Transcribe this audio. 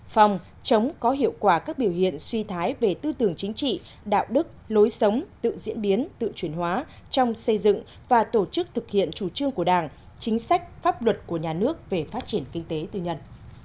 phòng chống có hiệu quả các biểu hiện suy thoái về tư tưởng chính trị đạo đức lối sống tự diễn biến tự chuyển hóa trong xây dựng và tổ chức thực hiện chủ trương của đảng chính sách pháp luật của nhà nước về phát triển kinh tế tư nhân